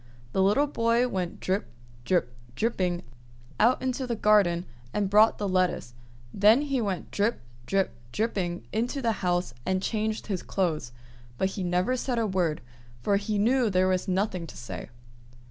The little boy went drip, drip, dripping out into the garden and brought the lettuce; then he went drip, drip, dripping into the house and changed his clothes; but he said never a word, for he knew there was nothing to say.